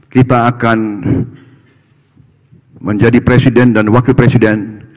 kita akan menjadi presiden dan wakil presiden